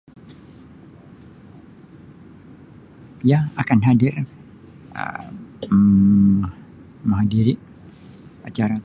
Ya akan hadir Um menghadiri acara.